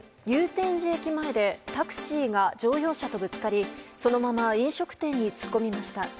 祐天寺駅前でタクシーが乗用車とぶつかりそのまま飲食店に突っ込みました。